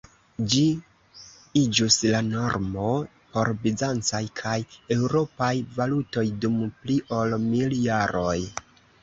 Ĝi iĝus la normo por bizancaj kaj eŭropaj valutoj dum pli ol mil jaroj.